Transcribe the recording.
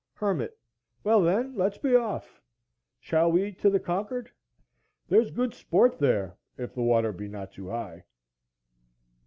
Hermit. Well, then, let's be off. Shall we to the Concord? There's good sport there if the water be not too high.